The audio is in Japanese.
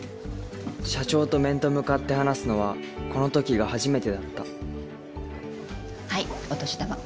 社長と面と向かって話すのはこの時が初めてだった